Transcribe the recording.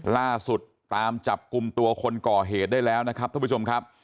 ล่าสุดตามจับกลุ่มตัวคนก่อเหตุได้แล้วนะครับท่านผู้ชมครับ